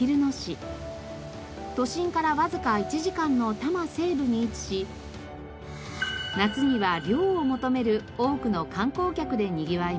都心からわずか１時間の多摩西部に位置し夏には涼を求める多くの観光客でにぎわいます。